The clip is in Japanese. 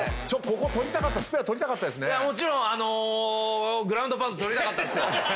もちろんあのグランドパウンド取りたかったっすよ。